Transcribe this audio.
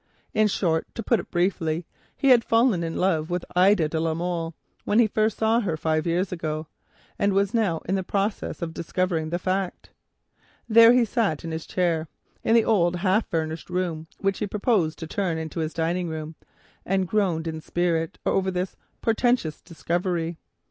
In short, he had fallen in love with Ida de la Molle when he first saw her five years ago, and was now in the process of discovering the fact. There he sat in his chair in the old half furnished room, which he proposed to turn into his dining room, and groaned in spirit over this portentous discovery.